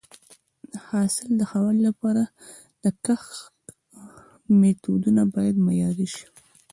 د حاصل د ښه والي لپاره د کښت میتودونه باید معیاري شي.